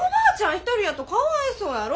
一人やとかわいそうやろ。